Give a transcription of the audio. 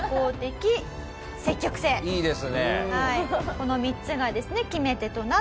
この３つがですね決め手となって。